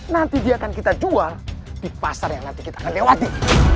nanti dia akan kita jual di pasar yang nanti kita akan lewati